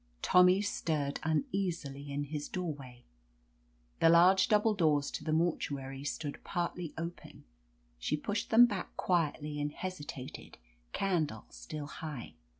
Tommy stirred uneasily in his doorway. The large double doors to the mortuary stood partly open. She pushed them back quietly and hesitated, candle still high.